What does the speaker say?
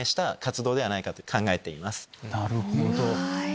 なるほど。